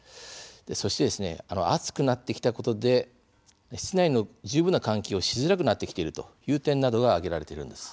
そして、暑くなってきたことで室内の十分な換気をしづらくなってきているという点などが挙げられているんです。